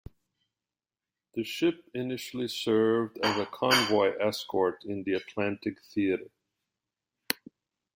The ship initially served as a convoy escort in the Atlantic theatre.